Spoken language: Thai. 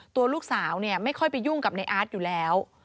ตัวลูกสาวเนี่ยไม่ค่อยไปยุ่งกับในอาร์ตอยู่แล้ว